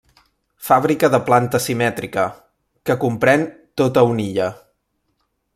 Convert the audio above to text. Fàbrica de planta simètrica, que comprèn tota una illa.